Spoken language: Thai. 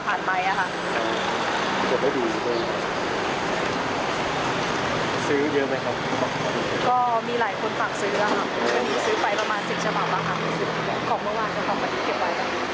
ก็มีหลายคนสามารถซื้ออ่ะค่ะของเมื่อวานเขาจะทำไว้